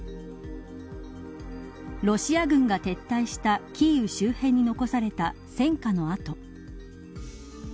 ロシア軍が撤退したキーウ周辺に残された戦火の痕。